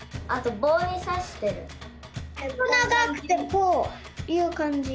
ほそながくてこういうかんじ。